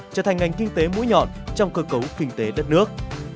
trở thành ngành kinh tế mũi nhọn trong cơ cấu kinh tế đất nước